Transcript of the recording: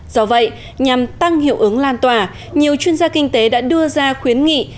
do vậy nhằm tăng hiệu ứng lan tỏa nhiều chuyên gia kinh tế đã đưa ra khuyến nghị